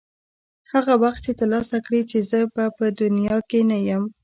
هغه وخت یې ترلاسه کړې چې زه به په دې دنیا کې نه یم.